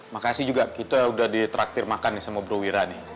makasih juga kita udah ditraktir makan nih sama bro wira nih